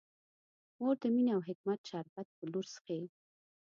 مور د مینې او حکمت شربت په لور څښي.